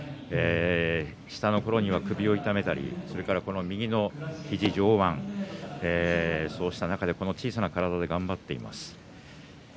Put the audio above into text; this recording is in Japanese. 下のころには首を痛めたり右の肘、上腕そうした中で小さな体で頑張っています